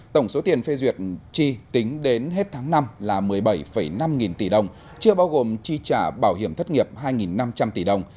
tổng số tiền phê duyệt chi tính đến hết tháng năm là một mươi bảy năm nghìn tỷ đồng chưa bao gồm chi trả bảo hiểm thất nghiệp hai năm trăm linh tỷ đồng